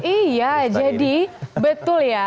iya jadi betul ya